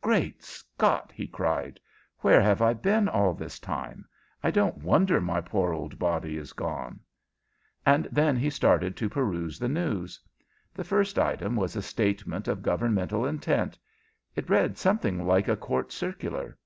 "Great Scott!" he cried. "Where have I been all this time? I don't wonder my poor old body is gone!" And then he started to peruse the news. The first item was a statement of governmental intent. It read something like a court circular.